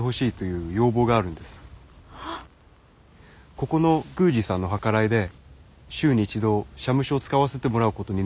ここの宮司さんの計らいで週に一度社務所を使わせてもらうことになりました。